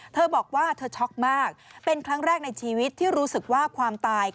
เธอบอกว่าเธอช็อกมากเป็นครั้งแรกในชีวิตที่รู้สึกว่าความตาย